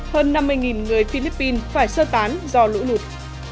hơn năm mươi người philippines phải sơ tán do lũ lụt